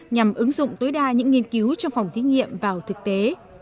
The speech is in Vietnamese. nhằm ứng dụng tối đa những nghiên cứu trong phòng thí nghiệm vào thực tế